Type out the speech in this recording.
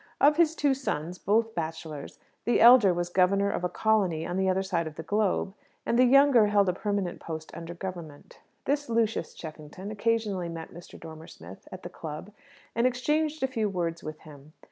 Of his two sons, both bachelors, the elder was governor of a colony on the other side of the globe, and the younger held a permanent post under Government. This Lucius Cheffington occasionally met Mr. Dormer Smith at the club, and exchanged a few words with him.